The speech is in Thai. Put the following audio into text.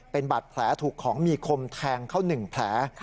เป็นบาดแผลถูกของมีคมแทงเข้า๑แผล